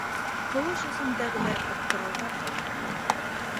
Ҡыуыш эсендәгеләр аптырауҙа ҡала.